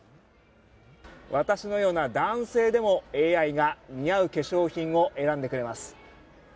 私のような男性でもＡＩが似合う化粧品を選んでくれます。